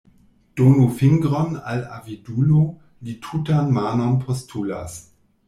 Donu fingron al avidulo, li tutan manon postulas.